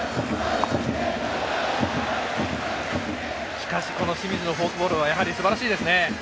しかし、この清水のフォークボールはすばらしいですね。